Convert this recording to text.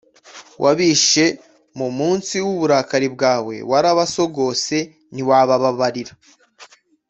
Wabishe mu munsi w’uburakari bwawe, Warabasogose ntiwabababarira.